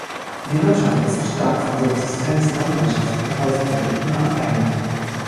Die Wirtschaft ist stark von Subsistenzlandwirtschaft und Holzprodukten abhängig.